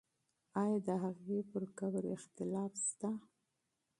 آیا د هغې پر قبر اختلاف شته؟